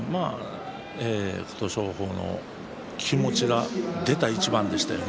琴勝峰の気持ちが出た一番でしたね。